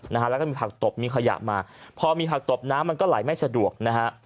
นะฮะแล้วก็มีผักตบมีขยะมาพอมีผักตบน้ำมันก็ไหลไม่สะดวกนะฮะ